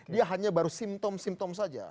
dia hanya baru simptom simptom saja